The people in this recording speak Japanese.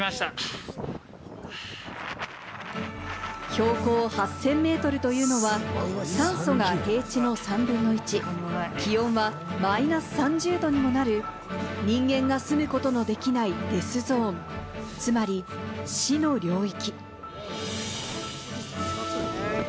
標高８０００ｍというのは酸素が平地の３分の１、気温はマイナス３０度にもなる人間が住むことのできないデスゾーン、つまり、死の領域。